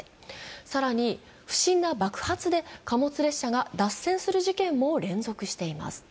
更に、不審な爆発で貨物列車が脱線する事件も連続しています。